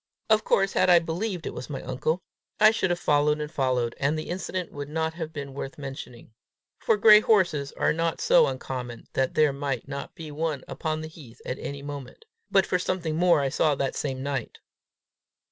Of course had I believed it was my uncle, I should have followed and followed; and the incident would not have been worth mentioning, for gray horses are not so uncommon that there might not be one upon the heath at any moment, but for something more I saw the same night.